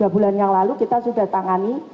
tiga bulan yang lalu kita sudah tangani